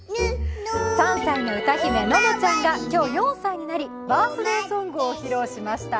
３歳の歌姫、ののちゃんが今日、４歳になり、バースデーソングを披露しました。